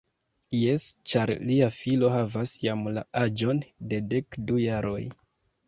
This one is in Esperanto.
Jes, ĉar lia filo havas jam la aĝon de dekdu jaroj.